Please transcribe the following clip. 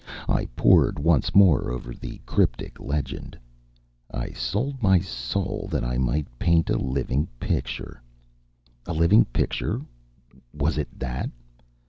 I pored once more over the cryptic legend: I sold my soul that I might paint a living picture. A living picture was it that?